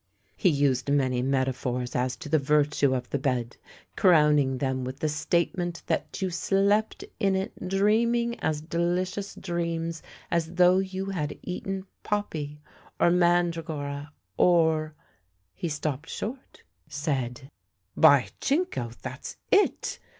He used many metaphors as to the virtue of the bed, crowning them with the statement that you slept in it dreaming as delicious dreams as though you had eaten poppy, or mandragora, or He stopped short, said, '' By jingo, that's it